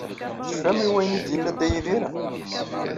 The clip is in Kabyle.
Tecfam i wayen i d-yenna Dda Yidir?